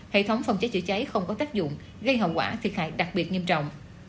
hệ thống phòng cháy chữa cháy không có tác dụng gây hậu quả thiệt hại đặc biệt nghiêm trọng